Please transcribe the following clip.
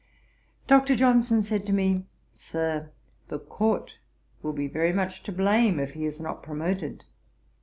Dr. Johnson said to me, 'Sir, the Court will be very much to blame, if he is not promoted.'